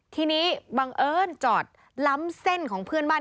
ทีนี้บังเอิญจอดล้ำเส้นของเพื่อนบ้าน